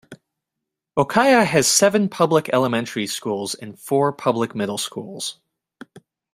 Okaya has seven public elementary schools and four public middle schools.